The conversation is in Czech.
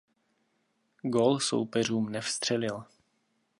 Gól soupeřům nevstřelil.